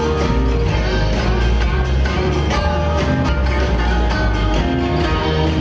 เวลานี้ฉันมีความแรง